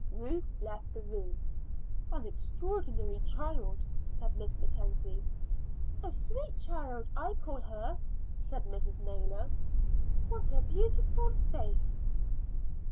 Ruth left the room. "An extraordinary child," said Miss Mackenzie. "A sweet child, I call her," said Mrs. Naylor. "What a beautiful face!"